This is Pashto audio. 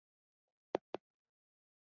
د ویښتو سپینېدو